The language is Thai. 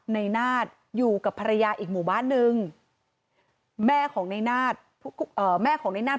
นายนาฏอยู่กับภรรยาอีกหมู่บ้านหนึ่งแม่ของนายนาฏเอ่อแม่ของนายนาฏ